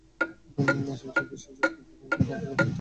সবচেয়ে বেশি জটলা দেখা গেল পরীক্ষণ থিয়েটার মিলনায়তনের নিচে লিফটের মুখে।